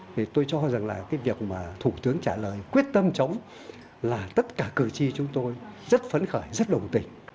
thì tôi cho rằng là cái việc mà thủ tướng trả lời quyết tâm chống là tất cả cử tri chúng tôi rất phấn khởi rất đồng tình